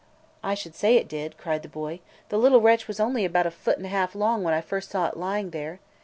"I should say it did!" cried the boy. "The little wretch was only about a foot and half long when I first saw it lying there.